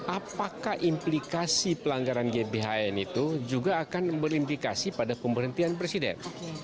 apakah implikasi pelanggaran gbhn itu juga akan berimplikasi pada pemberhentian presiden